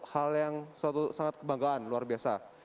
hal yang suatu sangat kebanggaan luar biasa